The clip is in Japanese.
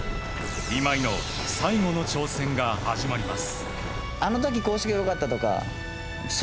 今井の最後の挑戦が始まります。